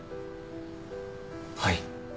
はい。